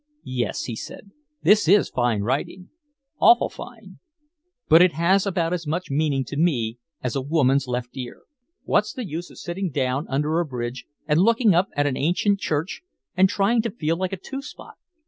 "Yes," he said, "this is fine writing, awful fine. But it has about as much meaning to me as a woman's left ear. What's the use of sitting down under a bridge and looking up at an ancient church and trying to feel like a two spot?